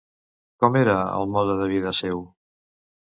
Com era el mode de vida seu?